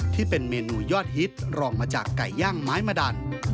ที่เป็นเมนูยอดฮิตรองมาจากไก่ย่างไม้มะดัน